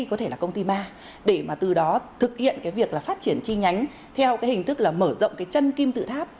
có thể là công ty ma để mà từ đó thực hiện cái việc là phát triển chi nhánh theo cái hình thức là mở rộng cái chân kim tự tháp